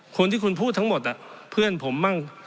คนที่คุณพูดทั้งหมดเพื่อนผมบ้าง